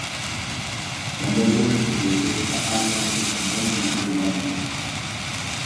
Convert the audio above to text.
Famoso dentro de esta área es el jamón de la Selva Negra.